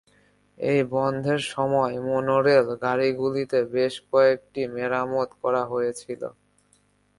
এই বন্ধের সময় মনোরেল গাড়িগুলিতে বেশ কয়েকটি মেরামত করা হয়েছিল।